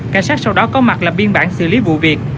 cảnh sát sau đó có mặt là biên bản xử lý vụ việc